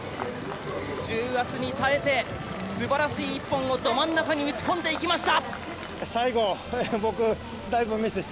重圧に耐えて素晴らしい１本をど真ん中に撃ち込んでいきました。